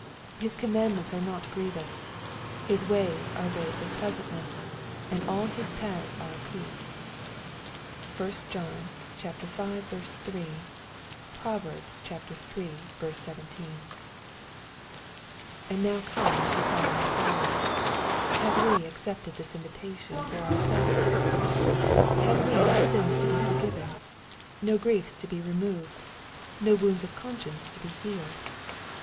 His commandments are not grievous. His ways are ways of pleasantness, and all his paths are peace. (1 John V. 3. Prov. iiL 17.) And now comes the solemn inquiry, Have we accepted this invitation for ourselves ? Have we no sins to be for given, no griefs to be removed, no wounds of conscience to be healed